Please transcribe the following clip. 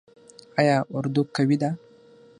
آیا اردو قوي ده؟